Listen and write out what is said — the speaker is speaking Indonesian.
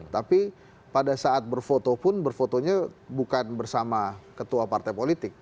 tapi pada saat berfoto pun berfotonya bukan bersama ketua partai politik